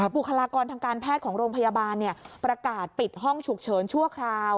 บุคลากรทางการแพทย์ของโรงพยาบาลประกาศปิดห้องฉุกเฉินชั่วคราว